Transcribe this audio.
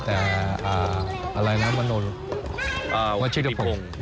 แต่อะไรนะมนุษย์